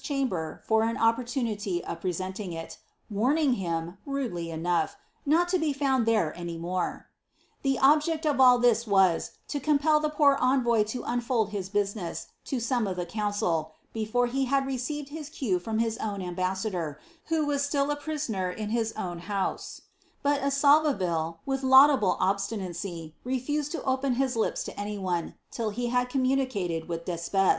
lmniber for ad opportuniiy of prpBejiung it, warnine; Uim, ntdtiy cnougb, not to be fouoil there any more. The objerl o( nil thif wu, m compel the poor envoy lo unfolij hi« business lu aoine of llie C4mncil, before he haJ received his cue from his own ainbassailcir, who was atJU a prisoner in his own house; but Assolveville, with laudable ubsiuiam', refused to open his lips to any one, till hs had commuiiicated wub D'Espes.